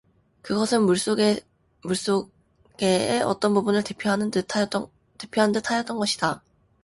그것은 물 속에의 어떤 부분을 대표한 듯하였던 것이다.